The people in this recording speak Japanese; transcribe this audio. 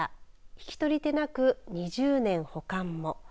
引き取り手なく２０年保管も。